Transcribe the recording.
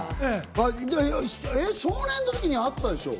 少年の時にあったでしょう？